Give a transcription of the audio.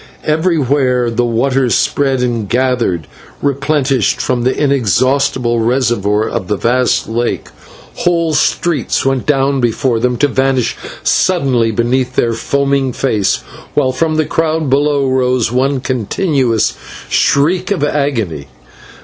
Everywhere the waters spread and gathered, replenished from the inexhaustible reservoir of the vast lake. Whole streets went down before them, to vanish suddenly beneath their foaming face, while from the crowd below rose one continuous shriek of agony.